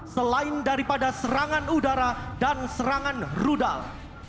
selain daripada serangan udara dan serangan rudal